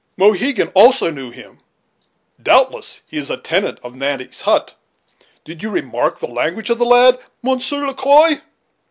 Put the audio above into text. Mohegan also knew him. Doubtless he is a tenant of Natty's hut. Did you remark the language of the lad. Monsieur Le Quoi?"